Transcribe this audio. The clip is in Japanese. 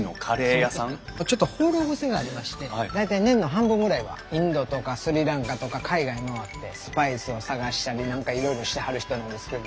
ちょっと放浪癖がありまして大体年の半分ぐらいはインドとかスリランカとか海外回ってスパイスを探したり何かいろいろしてはる人なんですけど。